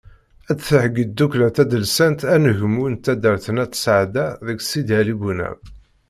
Ad d-theyyi tdukkla tadelsant “Anegmu” n taddart At Sɛada deg Sidi Ɛli Bunab.